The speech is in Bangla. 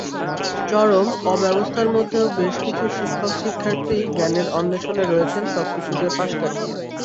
চরম অব্যবস্থার মধ্যেও বেশ কিছু শিক্ষক-শিক্ষার্থী জ্ঞানের অন্বেষণে রয়েছেন সবকিছুকে পাশ কাটিয়ে।